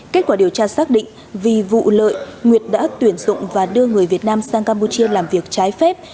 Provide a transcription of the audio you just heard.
kết quả điều tra xác định vì vụ lợi nguyệt đã tuyển dụng và đưa người việt nam sang campuchia làm việc trái phép